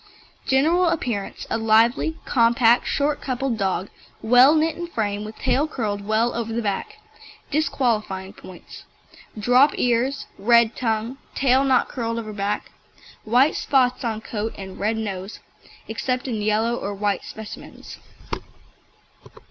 GENERAL APPEARANCE A lively, compact, short coupled dog, well knit in frame, with tail curled well over the back. DISQUALIFYING POINTS Drop ears, red tongue, tail not curled over back, white spots on coat, and red nose, except in yellow or white specimens.